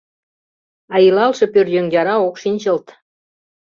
А илалше пӧръеҥ яра ок шинчылт.